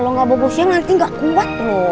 kalau gak bobo siang nanti gak kuat lho